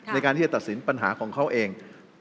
ในการที่จะตัดสินปัญหาของเขาเอง